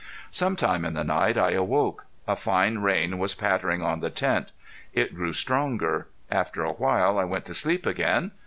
Sometime in the night I awoke. A fine rain was pattering on the tent. It grew stronger. After a while I went to sleep again.